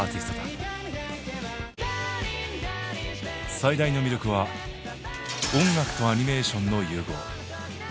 最大の魅力は音楽とアニメーションの融合。